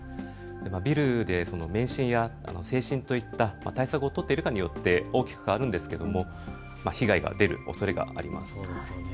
ビルで免震や制震といった対策を取っているかによって大きく変わるんですけれども被害が出るおそれがあります。